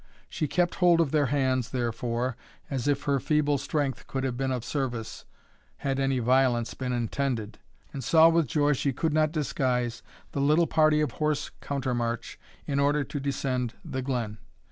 She kept hold of their hands, therefore, as if her feeble strength could have been of service, had any violence been intended, and saw with joy she could not disguise, the little party of horse countermarch, in order to descend the glen.